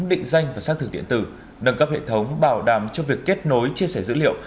định danh và xác thực điện tử nâng cấp hệ thống bảo đảm cho việc kết nối chia sẻ dữ liệu